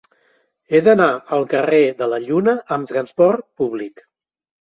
He d'anar al carrer de la Lluna amb trasport públic.